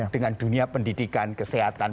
dengan dunia pendidikan kesehatan